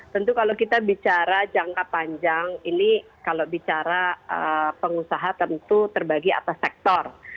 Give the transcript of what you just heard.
tentu kalau kita bicara jangka panjang ini kalau bicara pengusaha tentu terbagi atas sektor